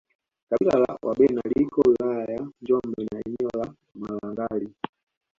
Kabila la Wabena liko wilaya ya Njombe na eneo la Malangali